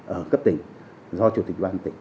ở cấp tỉnh do chủ tịch ban tỉnh